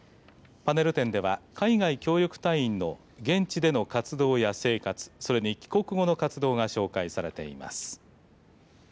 パネル展では海外協力隊員の現地での活動や生活それに帰国後の活動が紹介されています。